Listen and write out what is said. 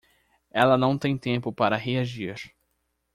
Ela não tem tempo para reagir